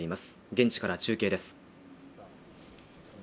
現地から中継です